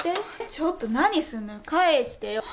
ちょっと何すんの、返してよ。